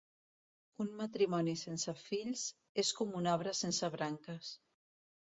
Un matrimoni sense fills és com un arbre sense branques.